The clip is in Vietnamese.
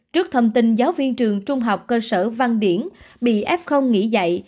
trước thông tin giáo viên trường trung học cơ sở văn điển bị f nghỉ dạy